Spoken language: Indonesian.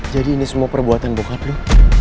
jadi ini semua perbuatan bokap lo